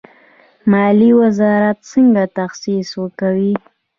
مالیې وزارت څنګه تخصیص ورکوي؟